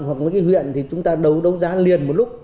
hoặc một cái huyện thì chúng ta đấu giá liền một lúc